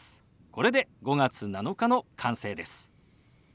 これで「５月７日」の完成です。